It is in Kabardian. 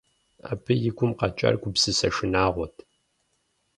Абы и гум къэкӀар гупсысэ шынагъуэт.